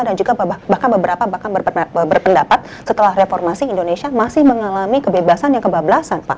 dan juga beberapa bahkan berpendapat setelah reformasi indonesia masih mengalami kebebasan yang kebablasan pak